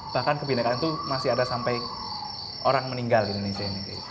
bahkan kebinekaan itu masih ada sampai orang meninggal di indonesia ini